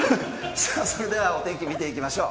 それではお天気見ていきましょう。